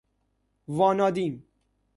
وانادیم